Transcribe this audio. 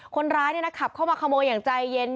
คนร้ายขับเข้ามาขโมยอย่างใจเย็น